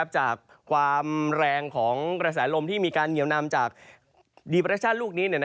จากความแรงของกระแสลมที่มีการเหนียวนำจากดีประเทศชาติลูกนี้